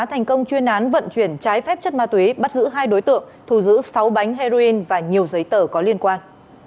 thành công chuyên án vận chuyển trái phép chất ma túy bắt giữ hai đối tượng thù giữ sáu bánh heroin và nhiều giấy tờ có liên quan